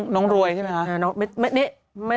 น้องรวยใช่ไหมคะ